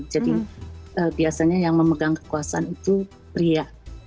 jadi biasanya yang memegang kekuasaan itu pria